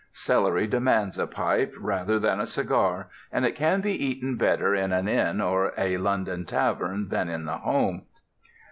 Celery demands a pipe rather than a cigar, and it can be eaten better in an inn or a London tavern than in the home.